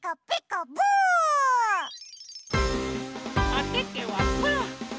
おててはパー！